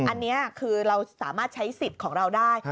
อันนี้คือเราสามารถใช้สิทธิ์ของเราได้